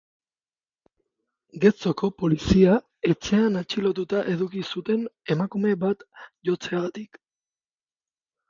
Getxoko polizia etxean atxilotuta eduki zuten emakume bat jotzeagatik.